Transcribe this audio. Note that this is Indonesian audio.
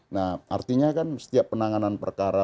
nah artinya kan setiap penanganan perkara